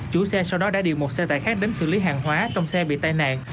chủ xe sau đó đã điều một xe tải khác đến xử lý hàng hóa trong xe bị tai nạn